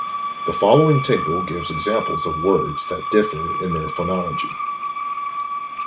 The following table gives examples of words that differ in their phonology.